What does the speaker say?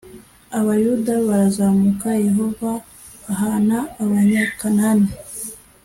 abayuda barazamuka, yehova ahana abanyakanani